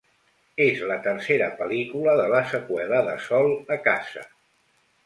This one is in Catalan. És la tercera pel·lícula de la seqüela de Sol a casa.